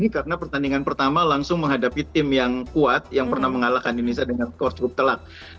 karena pertandingan pertama langsung menghadapi tim yang kuat yang pernah mengalahkan indonesia dengan skor cukup telak